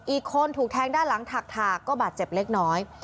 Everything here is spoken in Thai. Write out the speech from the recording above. อีกคนถูกแทงด้านหลังถักก็บาดเจ็บเล็กน้อย